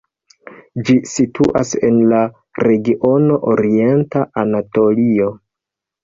Ĝi situas en la regiono Orienta Anatolio.